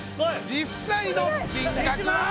実際の金額は！